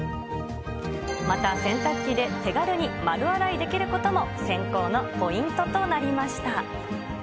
また洗濯機で手軽に丸洗いできることも選考のポイントとなりました。